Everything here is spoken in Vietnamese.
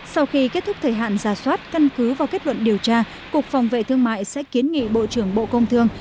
sau khi kết thúc thời hạn giả soát căn cứ vào kết luận điều tra cục phòng vệ thương mại sẽ kiến nghị bộ trưởng bộ công thương